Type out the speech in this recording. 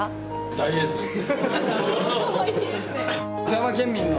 大エースです。